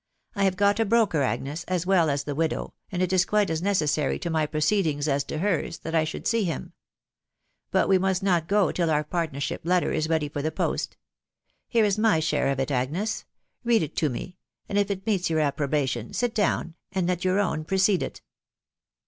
... I have got a broker, Agnes, as well as the widow, and it is quite as necessary to my proceedings as to hers that I should see him. But we must not go till our partnership letter is ready for the post. Here is my share of it, Agnes .... read it to me ; and if it meets your approbation, sit down and let your own precede it."